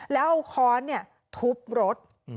แล้วเอาค้อนเนี่ยทุบรถ